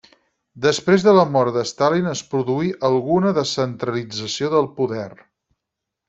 Després de la mort de Stalin es produí alguna descentralització del poder.